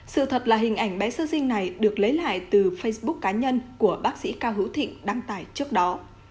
sự thật là hình ảnh bé sơ sinh này được lấy lại từ facebook cá nhân của bác sĩ cao hữu thịnh đăng tải trước đó